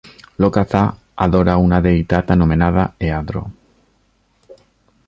Locathah adora a una deïtat anomenada Eadro.